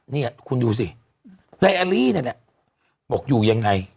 เนี่ยคุณดูสิใดอารีเนี่ยแหละบอกอยู่ยังไง